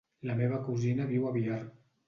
La meva cosina viu a Biar.